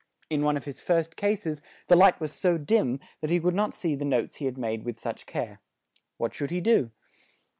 In one of his first cases, the light was so dim, that he could not see the notes he had made with such care. What should he do?